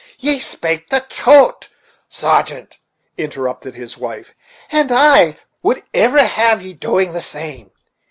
"Ye spake the trot', sargeant," interrupted his wife, "and I would iver have ye be doing the same.